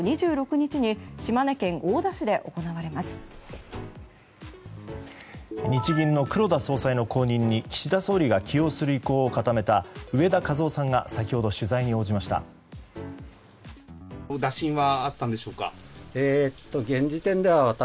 日銀の黒田総裁の後任に岸田総理が起用する意向を固めた植田和男さんが先ほど取材に応じました。